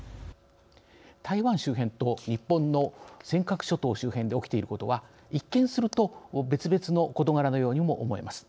台湾周辺と日本の尖閣諸島周辺で起きていることは一見すると別々の事柄のようにも思えます。